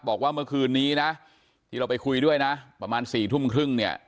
บอกว่าเมื่อคืนนี้นะที่เราไปคุยด้วยนะประมาณ๔ทุ่มครึ่งเนี่ย